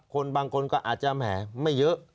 คนบางคนก็อาจจะแหมไม่เยอะ